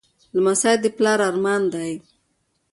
لمسی د پلار ارمان دی.